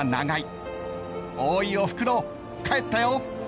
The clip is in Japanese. ［おーいおふくろ帰ったよ］